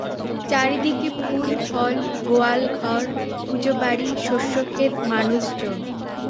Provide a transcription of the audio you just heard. চারি দিকে ফুলফল, গোয়ালঘর, পুজোবাড়ি, শস্যখেত, মানুষজন।